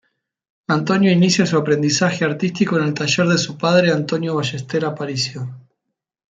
Antonio inicia su aprendizaje artístico en el taller de su padre Antonio Ballester Aparicio.